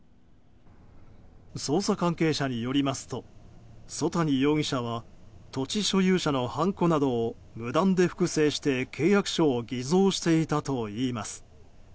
捜査関係者によりますと曽谷容疑者は土地所有者のはんこなどを無断で複製して契約書を偽造していたといいます。